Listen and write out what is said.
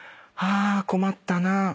「あ困ったな」